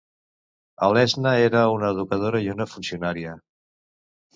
Alesna era una educadora i una funcionària.